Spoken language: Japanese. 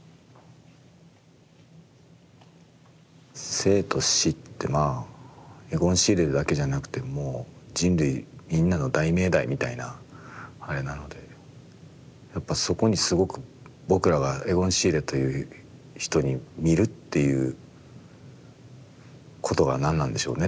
生と死ってまあエゴン・シーレだけじゃなくてもう人類みんなの大命題みたいなあれなのでやっぱそこにすごく僕らがエゴン・シーレという人に見るっていうことが何なんでしょうねって感じですよね。